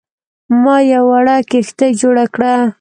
ما یوه وړه کښتۍ جوړه کړه.